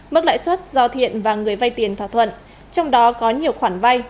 mức lãi suất do thiện và người vai tiền thỏa thuận trong đó có nhiều khoản vai